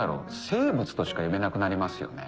生物としか呼べなくなりますよね。